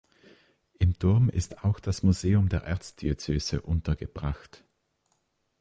Im Turm ist auch das Museum der Erzdiözese untergebracht.